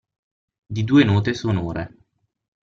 Di due note sonore.